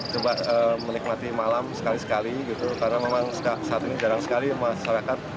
coba menikmati malam sekali sekali gitu karena memang saat ini jarang sekali masyarakat